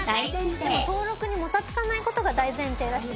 でも登録にもたつかないことが大前提らしい。